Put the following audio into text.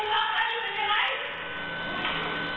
เจ้าเจ้าเจ้า